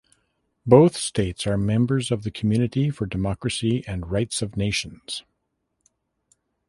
Both states are members of the Community for Democracy and Rights of Nations.